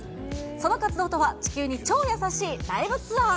その活動とは、地球に超やさしいライブツアー。